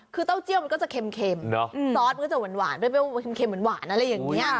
คือเต้าเจียวมันก็จะเค็มเค็มเนอะอืมซอสก็จะหวานหวานไม่เป็นว่าเค็มเค็มเหมือนหวานอะไรอย่างเงี้ย